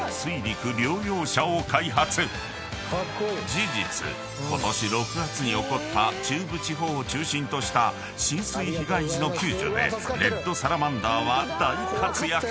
［事実ことし６月に起こった中部地方を中心とした浸水被害時の救助でレッドサラマンダーは大活躍］